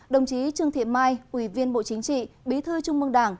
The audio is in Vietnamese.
đồng chí trương thị mai ủy viên bộ chính trị bí thư trung mương đảng